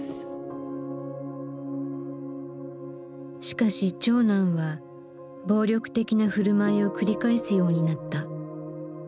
しかし長男は暴力的な振る舞いを繰り返すようになった。